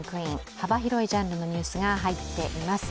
幅広いジャンルのニュースが入っています。